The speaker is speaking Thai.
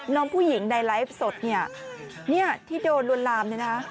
น้องผู้หญิงในไลฟ์สดเนี่ยที่โดนลวนลามเนี่ยนะ